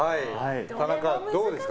田中、どうですか？